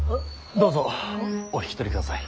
どうぞお引き取りください。